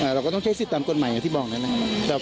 เราก็ต้องใช้สิทธิ์ตามกฎหมายที่บอกนะครับ